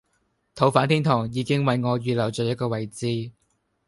逃犯天堂已經為我預留咗一個位置